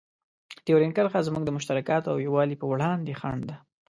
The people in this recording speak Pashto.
ډیورنډ کرښه زموږ د مشترکاتو او یووالي په وړاندې خنډ ده.